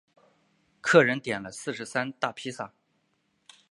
客人点了四十三大披萨